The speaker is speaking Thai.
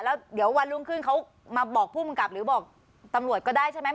แล้วเดี๋ยววันรุ่งขึ้นเขามาบอกภูมิกับหรือบอกตำรวจก็ได้ใช่ไหม